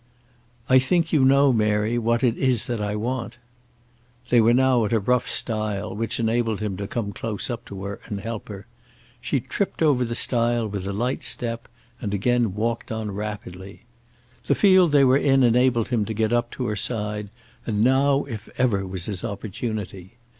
"I think you know, Mary, what it is that I want." They were now at a rough stile which enabled him to come close up to her and help her. She tripped over the stile with a light step and again walked on rapidly. The field they were in enabled him to get up to her side, and now if ever was his opportunity.